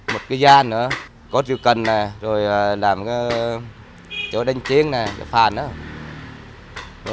một cái gian nữa cốt rượu cần này rồi làm cái chỗ đánh chiến này cái phàn đó